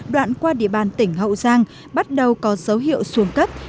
đoạn qua địa bàn tỉnh hậu giang bắt đầu có dấu hiệu xuống cấp